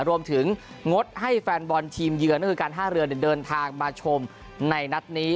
งงดให้แฟนบอลทีมเยือนก็คือการท่าเรือเดินทางมาชมในนัดนี้